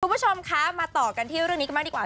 คุณผู้ชมคะมาต่อกันที่เรื่องนี้กันบ้างดีกว่า